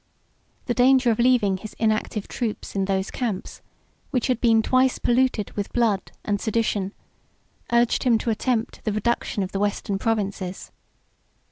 The danger of leaving his inactive troops in those camps, which had been twice polluted with blood and sedition, urged him to attempt the reduction of the Western provinces.